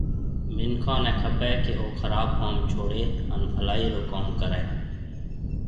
مِنکون نَي کپيَ ڪيَ او خراب ڪوم ڇوڙيَ هانَ ڀلائِي رو ڪوم ريَ۔